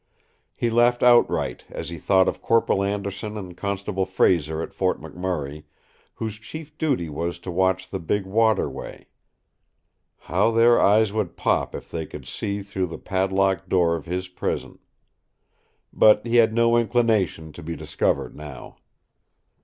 He laughed outright as he thought of Corporal Anderson and Constable Frazer at Fort McMurray, whose chief duty was to watch the big waterway. How their eyes would pop if they could see through the padlocked door of his prison! But he had no inclination to be discovered now.